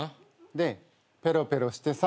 でペロペロしてさ。